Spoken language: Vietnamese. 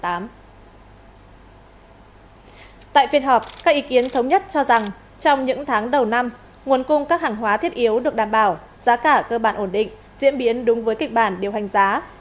tại phiên họp các ý kiến thống nhất cho rằng trong những tháng đầu năm nguồn cung các hàng hóa thiết yếu được đảm bảo giá cả cơ bản ổn định diễn biến đúng với kịch bản điều hành giá